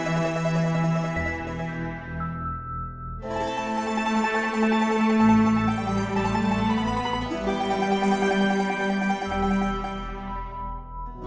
ibu tidak bisa mati ibu tidak akan keluar